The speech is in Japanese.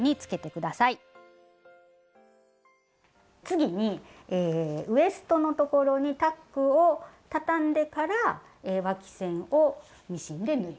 次にウエストの所にタックをたたんでからわき線をミシンで縫います。